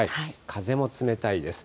風も冷たいです。